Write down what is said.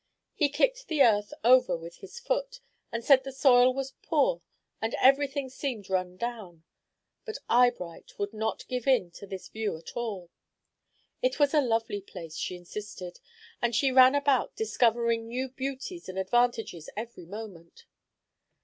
He kicked the earth over with his foot, and said the soil was poor and every thing seemed run down. But Eyebright would not give in to this view at all. It was a lovely place, she insisted, and she ran about discovering new beauties and advantages every moment.